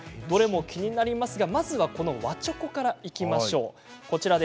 どれも気になりますがまずは和チョコからいきましょう。